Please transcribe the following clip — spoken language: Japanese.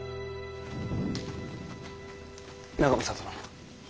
長政殿。